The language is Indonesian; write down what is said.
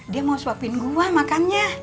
dia mau swapin gua makannya